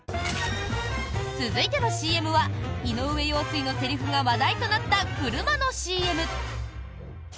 続いてのＣＭは井上陽水のセリフが話題となった車のＣＭ。